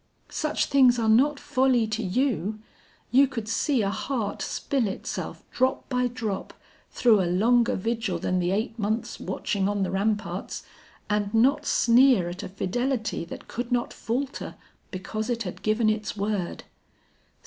Such things are not folly to you! You could see a heart spill itself drop by drop through a longer vigil than the eight months watching on the ramparts, and not sneer at a fidelity that could not falter because it had given its word?